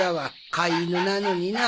飼い犬なのにな。